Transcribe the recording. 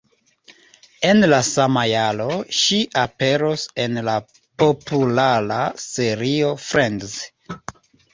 En la sama jaro, ŝi aperos en la populara serio Friends.